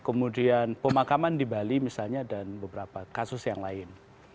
kemudian pemakaman di bali misalnya dan beberapa kasus yang lain